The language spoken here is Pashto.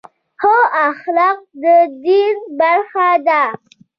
ښه اخلاق د دین برخه ده.